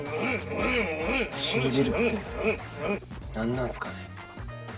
信じるって、何なんすかね？